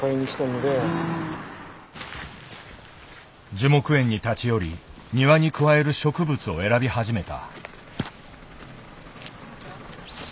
樹木園に立ち寄り庭に加える植物を選び始めた。